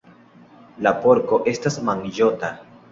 La porko estas manĝota.